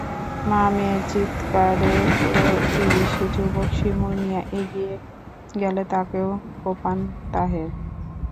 মা-মেয়ের চিৎকারে প্রতিবেশী যুবক শিমুল মিয়া এগিয়ে গেলে তাঁকেও কোপান তাহের।